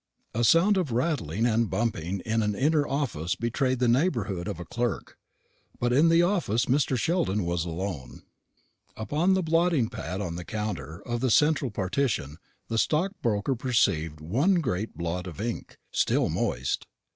A sound of rattling and bumping in an inner office betrayed the neighbourhood of a clerk; but in the office Mr. Sheldon was alone. Upon the blotting pad on the counter of the central partition the stockbroker perceived one great blot of ink, still moist.